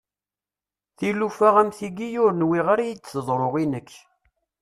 Tilufa am tiyi ur nwiɣ ara ad iyi-d-teḍru i nekk.